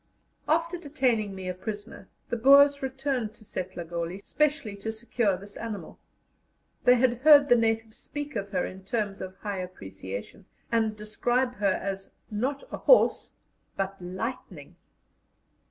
After detaining me a prisoner, the Boers returned to Setlagoli specially to secure this animal; they had heard the natives speak of her in terms of high appreciation, and describe her as "not a horse, but lightning."